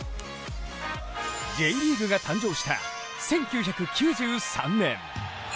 Ｊリーグが誕生した１９９３年。